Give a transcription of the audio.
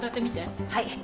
はい。